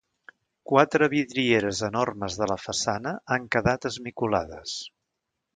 Quatre vidrieres enormes de la façana han quedat esmicolades.